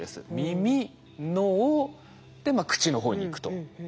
耳脳で口の方に行くと。